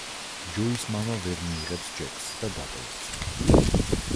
ჯოის მამა ვერ მიიღებს ჯეკს და დატოვებს მათ.